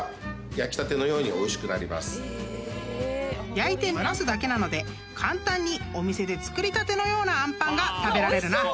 ［焼いて蒸らすだけなので簡単にお店で作りたてのようなあんパンが食べられるな］